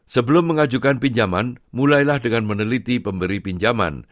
sebelum mengajukan pinjaman mulailah dengan meneliti pemberi pinjaman